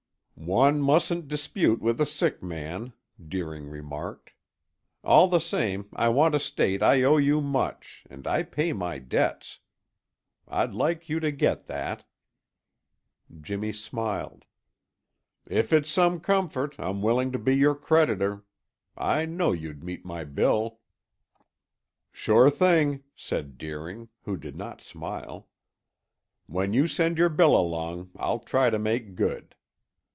"One mustn't dispute with a sick man," Deering remarked. "All the same I want to state I owe you much, and I pay my debts. I'd like you to get that." Jimmy smiled. "If it's some comfort, I'm willing to be your creditor. I know you'd meet my bill." "Sure thing," said Deering, who did not smile. "When you send your bill along, I'll try to make good.